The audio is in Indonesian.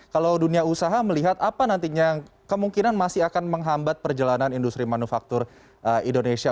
kalau dunia usaha melihat apa nantinya kemungkinan masih akan menghambat perjalanan industri manufaktur indonesia